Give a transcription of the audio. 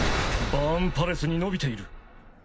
バーンパレスに伸びている